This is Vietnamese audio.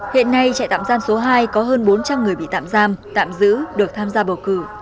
hiện nay trại tạm giam số hai có hơn bốn trăm linh người bị tạm giam tạm giữ được tham gia bầu cử